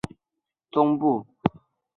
奥克拉荷马市位于奥克拉荷马州的中部。